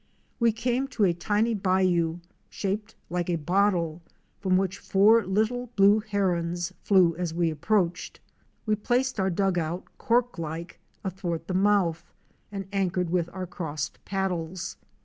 15 We came to a tiny bayou, shaped like a bottle, from which four Little Blue Herons ™ flew as we approached. We placed our dug out corklike athwart the mouth and anchored with our crossed paddles.